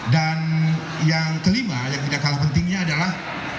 dan yang kelima yang tidak kalah pentingnya adalah